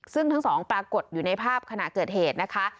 ซึ่งทั้งสองปรากฏอยู่ในภาพขณะเกิดเหตุนะคะ